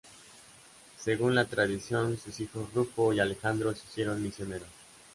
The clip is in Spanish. Según la tradición, sus hijos Rufo y Alejandro se hicieron misioneros.